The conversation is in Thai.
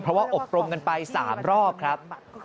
เพราะว่าอบรมกันไป๓รอบครับ